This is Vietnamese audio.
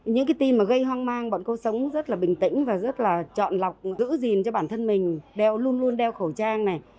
những cái tin mà gây hoang mang bọn cô sống rất là bình tĩnh và rất là chọn lọc giữ gìn cho bản thân mình đeo luôn luôn đeo khẩu trang này